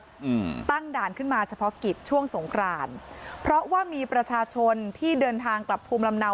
อืมตั้งด่านขึ้นมาเฉพาะกิจช่วงสงครานเพราะว่ามีประชาชนที่เดินทางกลับภูมิลำเนา